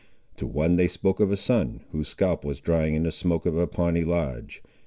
To one they spoke of a son, whose scalp was drying in the smoke of a Pawnee lodge.